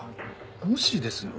もしですよ